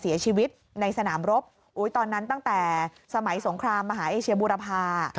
เสียชีวิตในสนามรบตอนนั้นตั้งแต่สมัยสงครามมหาเอเชียบูรพา